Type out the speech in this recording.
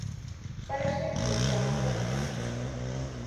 Fálase de que se almacenan.